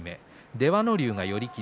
出羽ノ龍が、寄り切り。